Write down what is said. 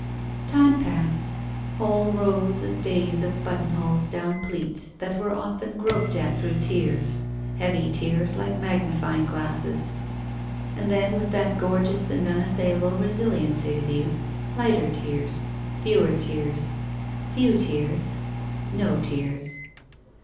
••••••• Time passed. Whole rows of days of buttonholes down pleats that were often groped at through tears. Heavy tears like magnifying glasses. And then, with that gorgeous and unassailable resiliency of youth, lighter tears. Fewer tears. Few tears. No tears.